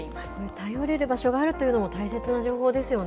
頼れる場所があるというのも、大切な情報ですよね。